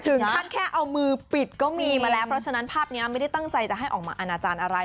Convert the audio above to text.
แค่เอามือปิดก็มีมาแล้วเพราะฉะนั้นภาพนี้ไม่ได้ตั้งใจจะให้ออกมาอนาจารย์อะไร